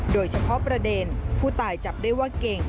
โดยเฉพาะประเด็นผู้ตายจับได้ว่าเก่ง